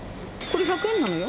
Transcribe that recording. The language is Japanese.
これ、１００円なのよ。